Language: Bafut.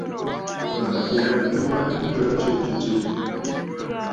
Àbàʼà ya a jwaanə ntəə tsiʼì tɨ̀ stsetə̀.